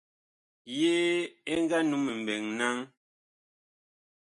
Yee ɛ nga num mɓɛɛŋ naŋ ?